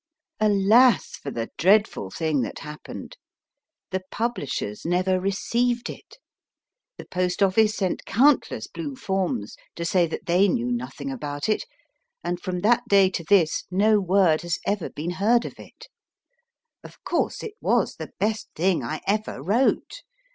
Alas for the dreadful thing that happened ! The publishers never . OF THK UNIVERSITY ] 106 MY FIXST BOOK received it, the Post Office sent countless blue forms to say that they knew nothing about it, and from that day to this no word has ever been heard of it. Of course it was the best thing I ever wrote.